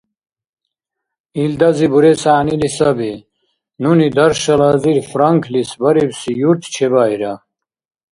Илдази бурес гӀягӀнили саби: «Нуни даршал азир франклис барибси юрт чебаира»